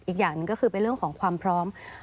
อีกอย่างหนึ่งก็คือเป็นเรื่องของความพร้อม